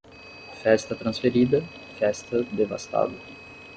Festa transferida, festa devastada.